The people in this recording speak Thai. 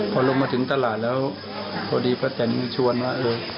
พอลงมาถึงตลาดแล้วพอดีป้าแตนชวนว่า